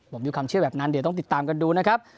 ผมมีความเชื่อแบบนั้นเดี๋ยวต้องติดตามกันดูนะครับ